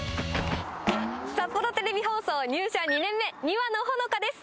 札幌テレビ放送入社２年目、庭野ほのかです。